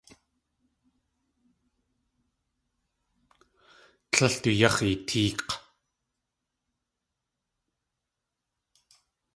Líl du yáx̲ eetéek̲!